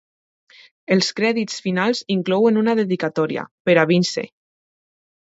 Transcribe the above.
Els crèdits finals inclouen una dedicatòria, "Per a Vince".